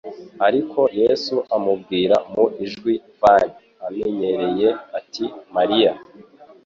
Ariko Yesu amubwira mu ijwi van amenyereye ati: "Mariya!"